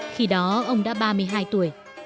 khi đó ông đã ba mươi hai tuổi